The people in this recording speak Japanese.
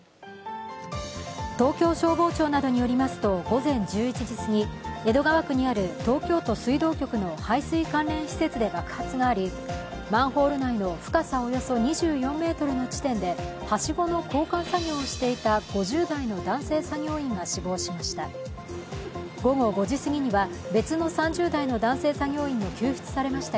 東京消防庁などによりますと午前１１時すぎ、江戸川区にある東京都水道局の排水関連施設で爆発がありマンホール内の深さおよそ２４ｍの地点ではしごの交換作業をしていた５０代の男性作業員が死亡しました。